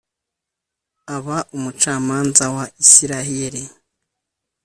aba umucamanza wa isirayeli